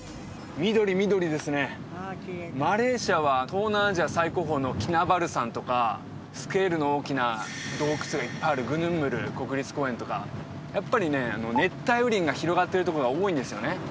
緑緑ですねマレーシアは東南アジア最高峰のキナバル山とかスケールの大きな洞窟がいっぱいあるグヌンムル国立公園とかやっぱりね熱帯雨林が広がってるところが多いんですよね